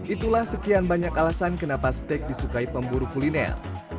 itulah sekian banyak alasan kenapa steak disukai pemburu kuliner